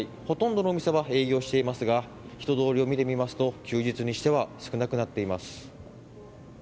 ほとんどの店は営業していますが人通りを見てみますと休日にしては少なくなっています。